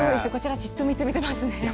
じっと見つめていますね。